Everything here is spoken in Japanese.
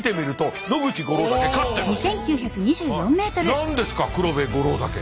何ですか黒部五郎岳。